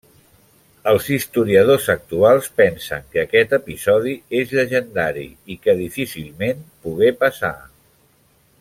Els historiadors actuals pensen que aquest episodi és llegendari i que difícilment pogué passar.